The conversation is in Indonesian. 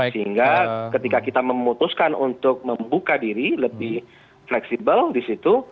sehingga ketika kita memutuskan untuk membuka diri lebih fleksibel di situ